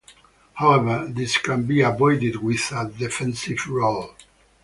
However, this can be avoided with a defensive roll.